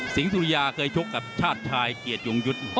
สุริยาเคยชกกับชาติชายเกียรติยงยุทธ์